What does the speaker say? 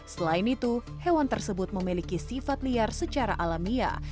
selain itu hewan tersebut memiliki sifat liar secara alamiah